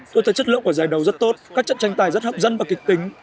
tôi thấy chất lượng của giải đấu rất tốt các trận tranh tài rất hấp dẫn và kịch tính